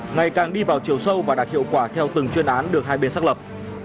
ngày càng đi vào chiều sâu và đạt hiệu quả theo từng chuyên án được hai bên xác lập